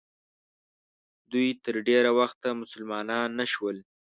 دوی تر ډېره وخته مسلمانان نه شول.